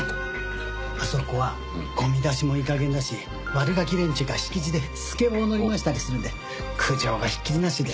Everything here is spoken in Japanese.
あそこはゴミ出しもいい加減だし悪ガキ連中が敷地でスケボー乗り回したりするんで苦情がひっきりなしで。